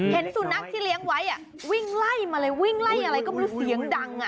เห็นสุนัขที่เลี้ยงไว้วิ่งไล่มาเลยวิ่งไล่อะไรก็ไม่รู้เสียงดัง